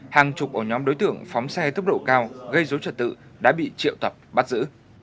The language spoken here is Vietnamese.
hàng chục ổ nhóm đối tượng phóng xe tốc độ cao gây dối trật tự đã bị triệu tập bắt giữ